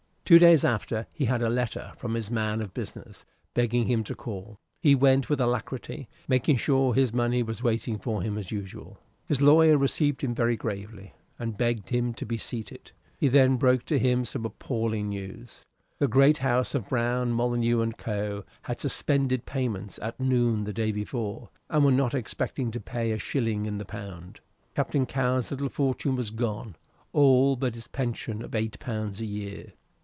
Two days after he had a letter from his man of business, begging him to call. He went with alacrity, making sure his money was waiting for him as usual. His lawyer received him very gravely, and begged him to be seated. He then broke to him some appalling news, The great house of Brown, Molyneux and Co. had suspended payments at noon the day before, and were not expected to pay a shilling in the pound. Captain Cowen's little fortune was gone all but his pension of eighty pounds a year.